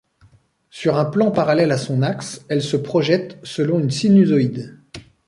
Sur un plan parallèle à son axe, elle se projette selon une sinusoïde.